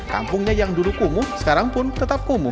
kampungnya yang dulu kumuh sekarang pun tetap kumuh